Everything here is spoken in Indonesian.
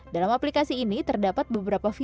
dalam aplikasi ini terdapat beberapa fitur